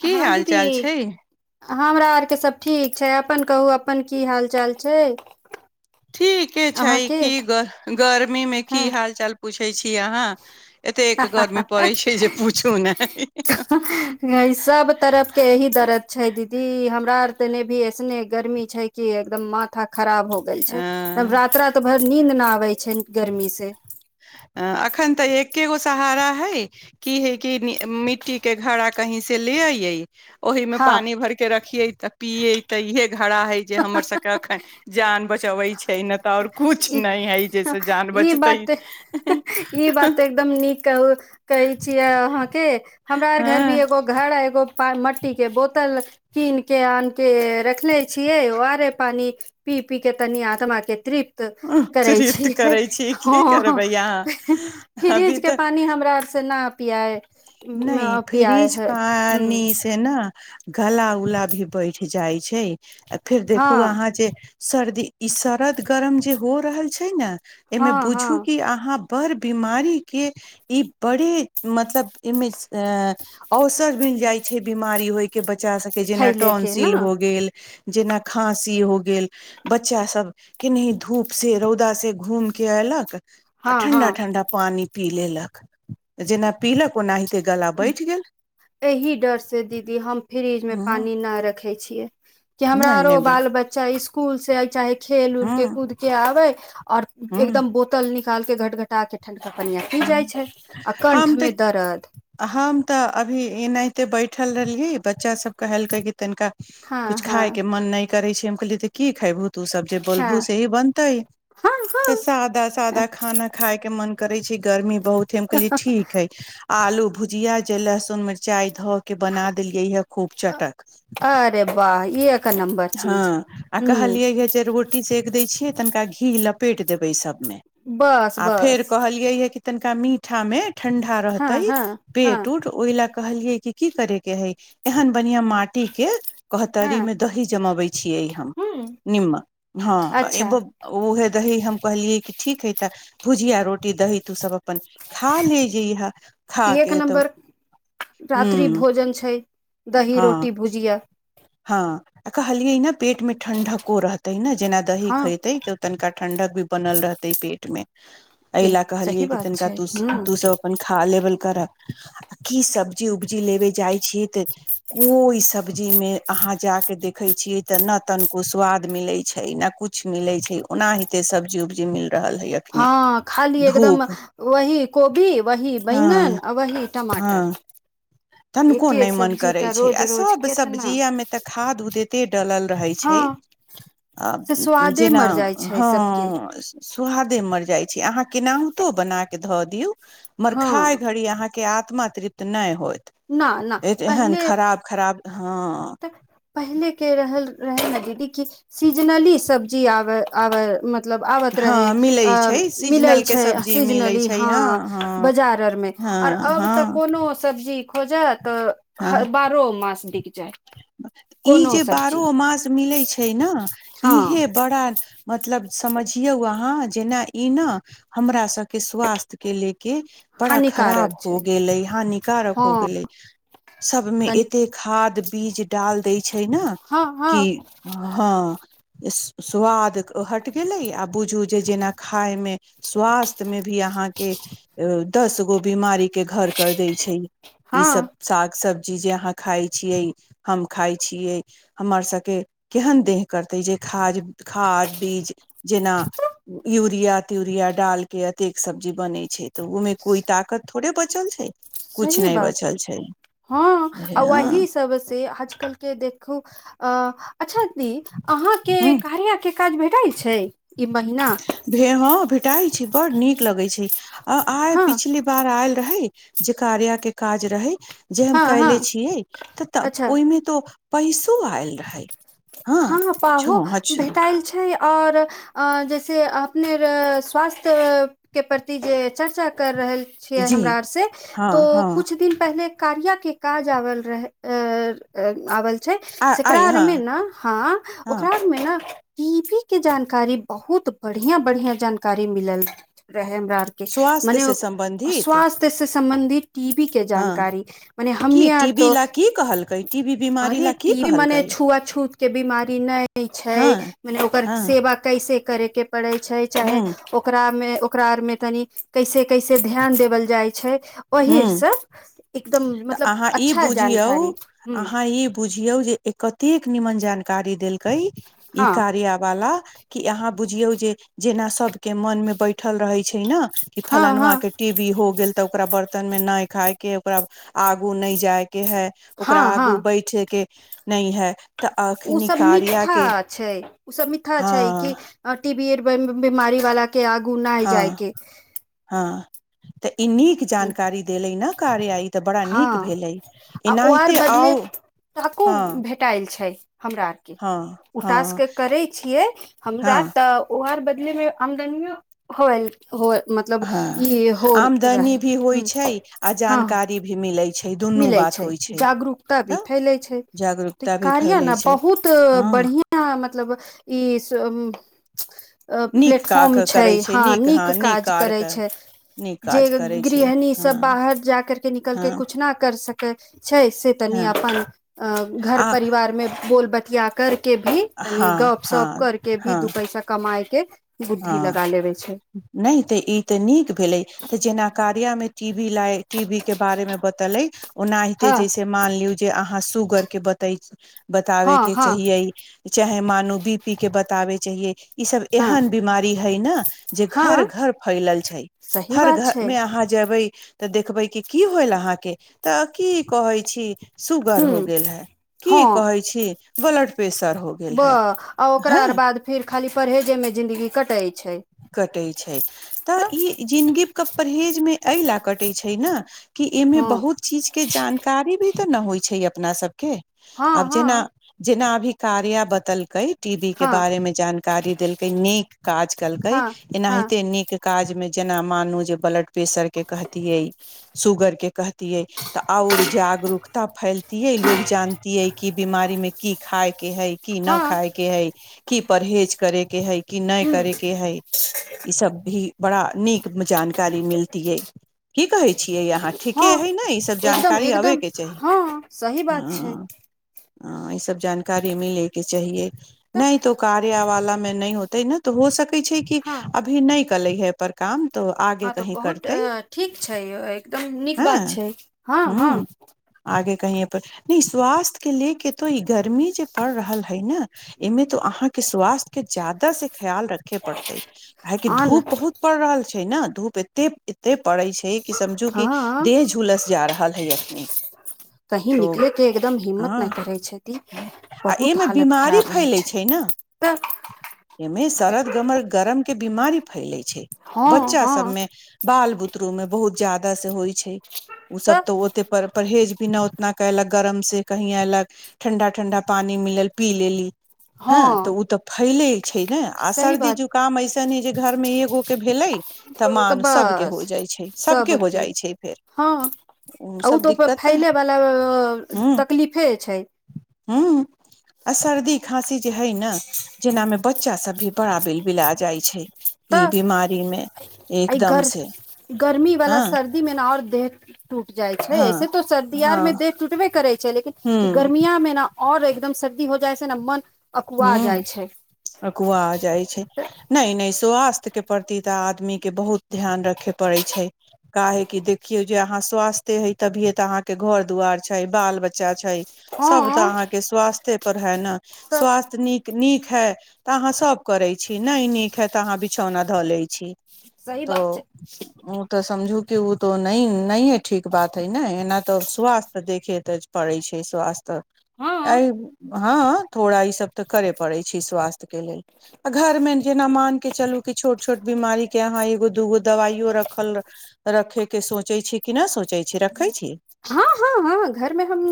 की हँ हाल दीदी चाल छै हमरा आरके सभ ठीक छै अपन कहू अपन की हाल चाल छै ठीके छै अहाँके की ग गर्मीमे की हँ हाल चाल पूछै छी अहाँ एतेक गर्मी पड़ै छै जे पूछू नहि [unintelligible] सब तरफ के दरद छै दीदी हमरा आर तऽ एने भी ऐसने गर्मी छै कि एकदम माथा खराब हो गेल छै एकदम रात रात भर नींद न आबे छै गर्मी से अ अखन तऽ एकेगो सहारा हइ की हे कि मिट्टी के घड़ा कही से ले अइये ओहि मे हँ पानी भर के रखिये तऽ पिये तऽ इहे घर घड़ा है जे हमर सबके एखन जान बचबैत छै नहि तऽ ओर कुछ ई नहि है जाहिसँ जान ई बचतै बात ई बात तऽ एकदम नीक कहो कहै छीयै अहाँ के हमरा आर घर हँ भी एगो घर एगो मट्टी के बोतल कीन के आन के रखनेे छियै ओ आरे पानि पी पी के तनि आत्माके तृप्त करै तृप्त छिय करै छी की ह करबै अहाँ अभी फ्रिज के तऽ पानी हमरा से न पियाए नहि पियाए फ्रिज है ह पानि से ना गला उला भी बैठ जाइ छै आ फेर देखू हँ अहाँ जे सर्दी ई शरद गरम जे हो रहल छै ने एहिमे हँ हँ बुझू कि अहाँ पर बीमारीके ई बड़े मतलब एहिमे अ औसर मिल जाइ छै बीमारी होइ के बच्चा सबके जेना फैले के टोंसिल न हो गेल जेना खाँसी हो गेल बच्चा सब केनेह धूप से रौदा से घूम के ऐलक आ हँ ठंडा हँ ठंडा पानी पी लेलक जेना पीलक ओना ही एहि डर से दीदी हम फ्रिज मे हँ पानि नहि रखै छियै कि हमरा नहि नहि आरो बे बाल बच्चा इसकूल से चाहे खेल उल के हँ कूद के आवे और हँ एकदम बोतल निकाल के घट घटा के ठनका पनिआ पी जाइ छै ओर हम कण्ठमे तऽ दरद हम तऽ अभी एनाहिते बैठल रहलियै बच्चा सब कहेलकै की तनिका हँ कुछ हँ खाय के मन नहि करे छ हम कहलिय तऽ की खेबहु तू सब जे बोलबूहुँ हँ से ही बनते त हँ सादा सादा हँ खाना खाय के मन करे छै गर्मी बहुत है हम कहलियै ठीक है आलू भुजिया जे लहस्सुन मिर्चा ध के बना देलियै है खूब चटक अरे वाह ई हँ आ कहलियै ह जे रोटी सेक दै छियै तनिका घी लपेट देबै सभमे बस आ फेर बस कहलियै य कि तनिका मीठा में ठंडा हँ रहते हँ हँ पेट उट ओहि ल कहलिय की करे के है एहन बढ़िया माटी के कहत हँ मे द ही जमबै छियै हम हूँ नीमक हा ए अच्छा बा उएहे दही हम कहलियै कि ठीक हइ तऽ भुजिया रोटी दही तू सभ अपन खा ले जेहा एक नम्बर रात्रि हूँ भोजन छै दही हँ रोटी भुजिया हँ आ कहलियै ने पेट मे ठंडको रहते ने जेना दही हँ खैते तनिका ठंडक भी बनल रहते पेट मे एहि एक लए सही कहलियै कि बात तनिका छै तू ह तू सब अपन खा लेवल कर आ की सब्जी उब्जी लेबे जाइ छीयै तऽ कोहि सब्जीमे अहाँ जा के देखे छीये ते न तनिको स्वाद मिले छै न कुछ मिले छै ओनाहिते सब्जी उब्जी मिल रहल हे या हँ खाली एकदम वही कोबी वही हँ बैंगन आ वही हँ टमाटर तनिको एके नहि मन सब्जी करै टा छै रोज आ रोज सभ केतना सब्जीयोमे तऽ खाद उद ते डलल रहै छै हँ से स्वादे जेना मर जाइ छै हँ सबके स्वादे मर जाइ छै अहा के ना हेतो बना के ध दियों मगर खा हँ घरि अहाँ के आत्मा तृप्त नहि होयत न न ए त एहन पहिले खराब खराब ह तऽ पहिले के रहल रहे ने दीदी क सीजनली सब्जी आब आब मतलब आबत हँ रहे मिलै अ छै मिले सीजनल के छै सब्जी मिलै सीजनली छै हँ हँ बाजार आर मे हँ आर अब हँ तऽ कोनो सब्जी खोजत हँ बारहो मास बिक जाय ई कोनो जे सब्जी बारहो मास मिलै छै ने इहे हँ पड़ल मतलब समझयो अहाँ जे ना ई ना हमरा स के स्वास्थ के ले के बड़ा हानिकारक खराब छै हो गेलै हानिकारक हँ हो गेलै सबमे तन एते खाद बीज डाल दै छै ने हँ हँ कि हँ स्वाद हट गेलै आ बुझू जे जेना खायमे स्वास्थ्य मे भी अहाँके दस गो बीमारी के घर कर दै छै ई हँ सब साग सब्जी जे अहाँ खाय छियै हम खाय छियै हमर सबके केहन देह करतै जे खाद खाद बीज जेना यू यूरिया त्यूरिया डाल के अतेक सब्जी बने छै ते उ मे कोई ताकत थोड़े बचल छै कुछ सही नहि बात बचल छै हँ आ वही हँ से आजकल के देखू अ अच्छा दीदी अहाँके ह कार्य काज भेटल छै ई महना भे हँ भेटाई छै बड़ नीक लगे छै आ आइ हँ पिछले बार आयल रहै जे कार्या के काज रहै जे हम हँ हँ कायले छियै तऽ त अच्छा ओहिमे त पैसो आयल रहे हँ पाहो भेटायल छै ओर अ जैसे अपने स्वास्थ्य के प्रति जे चर्चा कर रहल छ जी हमरा आर से हँ तो हँ कुछ दिन पहिले कार्य के काज आबल रह आवल छै आ शकरा आइ और हँ मे ने हँ हँ ओकरामे ने टी वी के जानकारी बहुत बढ़िया बढ़िया जानकारी मिलल रहे हमरा आर के स्वास्थ्य मने ओ से सम्बन्धित स्वास्थ्य से सम्बन्धित टी वी के हँ जानकारी मने हमनी की यार टीबी तो ला की कहलकै टीबी बीमारी अरे ला की टी‌वी मने कहलकै छुआ छूत के बीमारी नै हँ छैय मने ओकर हँ सेवा कैसे करैके परछै हूँ चाहे ओ ओकरा में ओकरा आर में तनी कैसे कैसे ध्यान देवल जाय छै हूँ ओहिसँ एकदम तऽ मतलब अहाँ ई अच्छा बुझियौ जानकारी हु अहाँ ई बुझियौ जे कतेक निमन जानकारी देलकै ई हँ कार्य वाला कि अहाँ बुझियौ जे जेना सबके मन मे बैठल रहे छै न हँ फलनवा हँ के टी वी हो गेल त ओक तन मे नहि खायके ओकरा आगू नहि जाय के है ओकरा हँ आगू हँ बैठे के नै है तऽ अखनी ओसभ कार्या मिठा के छै ओसभ मिठा छै कि हँ टी बी ए बीमारी वाला के आगू नै हँ हजायके हँ त इ नीक जानकारी देलय न कार्य आइ तऽ बड़ा नीक हँ भेलै आ ओ आर एनाहिते बदले आउ टाको हँ भेटायल छै हमरा आरके हँ हँ उटाासके करै छियै हँ हमरार तऽ ओ आर बदलमे आमदनीयो हो हो मतलब हँ ई हो आमदनी रहै भी होइ छै ह आ हँ जानकारी भी मिलै छै दुनू मिलै बात छै होइ जागरूकता भी तऽ फैलैत छै त ई जागरूकता भी कार्य फैलै ने छै बहुत हँ बढ़िआ या मतलब ई आप्लेटफॉर्म छै हँ नीक काज करैत छै नीक जे काज करै छै गृहणी हँ सब बाहर जा करके निकल हँ कुछ न कर स छै से तनी हँ आपन घर आ परिवार मे बोल बतिया करके भी तनि हँ गप सप हँ कर के भी हँ दू पैसा कमााय के बुद्धि हँ लगा लेबे छै नहि त‌ ई त नीक भेलै त जेना कारिया मे टी वी ला टी वी के बारे मे बतले ओनाहिते हँ जैसे से मान लियो जे अहाँ सुगर के बता बताबे हँ के हँ चाहियै चाहे मानू बी पी के बताबै चाहिेऐ ई सब हँ एहन बीमारी है न जे घर हँ घर फैलल छै सही हर बात घर छै मे अहाँ जेबै तऽ देखबै कि की होयल अहाँके तऽ की कहै छी सुगर हू हो गेल हे की हँ कहै छी ब्लड प्रेशर हो गेल ब है आ ओकरा हँ आर बाद फिर खाली परहेजेमे जिन्दगी कटै छै कटै छै त हँ ई जिनगी के परहेज मे एहि लए कटै छै ने कि एहिमे हँ बहुत चीजके जानकारी भी तऽ नय होइ छै अपना सबके हँ आब जेना हँ जेना अभी कार्या बतलकै टी वी के हँ बारे मे जानकारी देलकै नीक काज केलकै हँ हँ एनाहिते नीक काज मे जेना मानू जे ब्लड प्रेशर के कहतियै सुगर के कहतियै तऽ ओर जागरूकता फैलतियै लोग जानतियै कि बिमारी मे की खाय के हइ की नहि हँ खाय के है की परहेज करे के हइ कि नहि हूँ करेके है ई सब भी बड़ा नीक जानकारी मिलतीयै की कहै छियै अहाँ ठीके हँ हइ ने ईसभ एकदम जानकारी एकदम अबैके चाही हँ सही बात छै हँ हँ ई सब जानकारी मिलैके चाहीयै तऽ नहि तो कार्य वाला मे नहि होतै न तऽ हो सकै छै कि हँ अभी नहि कलै है पर काम तो आगे हँ तऽ कहीं बहुत करतै ठीक छै एकदम नीक हँ बात छै हँ हूँ हँ आगे कही पर नहि स्वास्थ्य के ले के तो ई गर्मी जे पड़ रहल हइ ने एहिमे तो अहाँके स्वास्थ्य के ज्यादा से खयाल रखे पड़ते काहेकि आन धूप बहुत पड़ रहल छै ने धूप एते एते पड़े छै हय कि समझू कि हँ देह झुलस जा रहल है अखनी कहीं तो निकलेके एकदम हिम्मत नहि हँ करै छथि आ बहुत एहिमे हालत बीमारी खराब रहै छै तऽ एहिमे शरद गमर गरम के बीमारी फैले छै हँ बच्चा हँ सबमे बाल बुतरू मे बहुत ज्यादा से होइ छै उ सब तऽ ओते पर परहेज भी न ना कलक गरम से कही ऐलक ठंडा ठंडा पानी मिलल पी लेली हँ तऽ ओ तऽ फैले छै ने आ सही सर्दी बात जु अऐसन है जे घर मे एगो के भेले तऽ मान सबके हो जाइ छै सबके हो जाइ छै फेर हँ आ ओ सब तऽ दिक्कत फैलै वला तकलीफे छै हूंम्म आ सर्दी खाँसी जे हइ ने जेनामे बच बच्चा सब भी बड़ा बिल बिला जाइ छै ई तऽ बीमारी मे एहि एकदम गर से गर्मी वाला हँ सर्दी मे ने ओर देह टूट जाइ छै ऐसे हँ तो सर्दी आर हँ मे दे टूटबे करै छै लेकिन ई हूँ गर्मियामे ने ओर एकदम सर्दी हो जाइ छै ने मन अकुआ जाइ हूंम्म छै अकुआ जाइ छै नहि नहि स्वास्थ्य के प्रति तऽ आदमी के बहुत ध्यान रखे पड़े छै का हे की देखियो जे अहाँ स्वास्थे हे तभिये तऽ अहाँ के घर दुवार छै बाल बच्चा छै सब तऽ हँ अहाँ के स्वास्थे पर हाइ ना तऽ स्वास्थ नीक हय नीक है तऽ अहाँ सब करै छी नहि नीक है तऽ अहाँ बिछौना धऽ लै छी सही त बात छै ओ तऽ समझू कि ओ त नहि नहि ठीक बात है ने एना तऽ स्वास्थ देखेते पड़ै छै स्वास्थ्य हँ हँ थोड़ा ई सब तऽ करे पड़े छै स्वास्थ्य आ घर मे जेना मान के चलू कि छोट छोट बीमारी के अहाँ एगो दूगो दवाइयो रखल रखे के सोचे छी कि नहि सोचे छी रखे छी हँ हँ हँ घरमे हम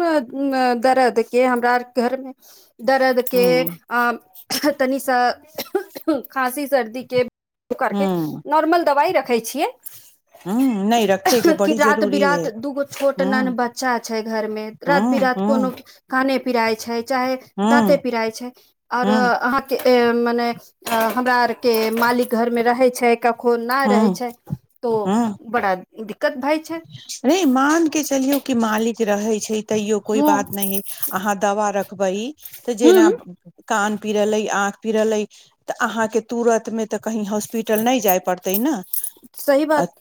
दरद के हमरा आर घरमे दर्द के हूं आ तनिसन खाँसी सर्दी के ओ करके हूं नॉर्मल दवाइ रखै छियै हूंम्म नहि रखेके कि बड़ी रात जरूरी है बिरात दूगो छोट हूं नन बच्चा छै घर मे रात हूं बिरात कोनो हूं काने पिराय छै चाहे दाँते हूं पिराय छै और हूं अहाँ मने हमरा आर के मालिक घर मे रहे छै खोन ना रहै हूं छै तो बड़ा दिक्कत भइ छै नै मान के चलियौ कि मालिक रहै छै तैयो कोइ हँ बात नहि अहाँ दवा रख बइ तऽ जेना हूँ कान पीरैलै आँख पिरेले तऽ अहाँ के तुरंत मे तऽ कहि हॉस्पिटल ने जाए परतै ना सही आ बात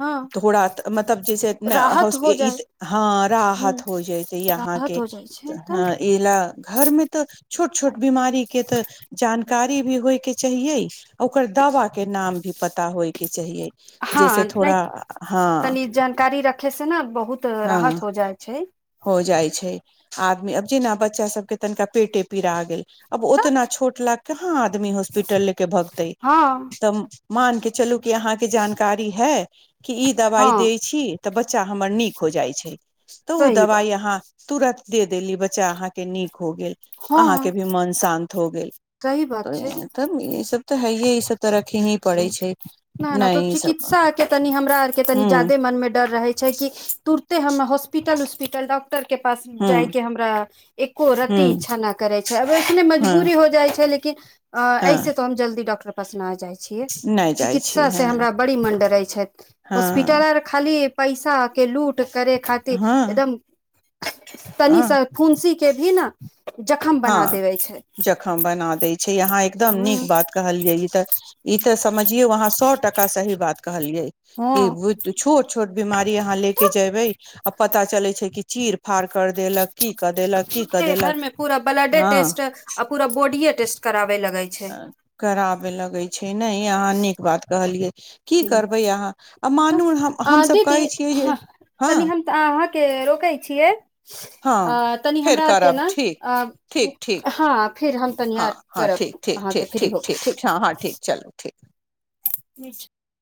हँ थोरा तऽ मतलब जे से ह राहत हो [unintelligible] प जाइ हाँ ह राहत हो जैतै अहाँ राहत के हो जाइ छै तऽ हाँ एहि ला घर मे तऽ छोट छोट बीमारी के तऽ जानकारी भी होय के चाहिये ओकर दवा के नाम भी पता होइ के चाहिये हाँ नै तनी जानकारी रख खे से न बहुत हँ राहत हो जाई छै हो जाई छै आदमी ब जेना बच्चा सबके तनिका पेटे पीरा गेल आब तऽ ओतना छोट लाग कहाँ आदमी हॉस्पिटल ले के भगतै हँ तब मान के चलू कि अहाँके जानकारी है कि ई हँ दवाई देै छी तऽ बच्चा हमर नीक हो जाइ छै तऽउ सही बात दवाइ अहाँ तुरत दे देली बच्चा अहाँ के नीक हो गेल अहाँ के हँ भी मन शान्त हो गेल सही बात छै तब ई सब तऽ है य इ सब तरखही ना ना तो चिकित्सा के तनी हमरा आर के तनी हूँ जादे मन मे डर रहै छै कि तुरते ह हॉस्पिटल उस्पिटल डॉक्टर के पास हूँ जाय के हमरा एक्को हूँ रति इच्छा ना करै छै अब अखने हँ मजबूरी हो जाइ छै लेकिन अऐेसे हँ तो हम जल्दी डॉक्टर के पास के जाइ छी नहि जाइ छी चिकित्सा से हँ हमरा बड़ी मन डरै छैत हाॅस्पिटल हँ आर खाली पैसा के लूट करे खातिर हँ एकदम तनि हँ सँ फुंसी के भी न जखम बना हाँ देवे छै जखम बना देै छै यहा एकदम नीक ह बात कहलियै ई तऽ ई तऽ समझियौ अहाँ सए टका सही बात कहलियै की छोट छोट बीमारी अहाँ लै हँ के जेबै आ पता चले छै कि चीर फाड़ कर देलक की कदेलक की तुरते घर कदेलक में पूरा ब्लडे टेस्ट आ पूरा बॉडीे टेस्ट करावे लगै छै अऽ कराबे लगै छै नहि अहाँ नीक बात कहलियै की करबै अहाँ आ मानु तऽ आ दीदी तनि हम अहाँ के रोकै छियै हँ अऽ तनि फेर हमरा आर के करब न ठीक अऽ ठीक ठीक हाँ फिर हम हँ तनियाद हँ करब ठीक ठीक अहाँ के ठीक फ्री होके ठीक हँ हँ ठीक चलू ठीक निक छै [unintelligible]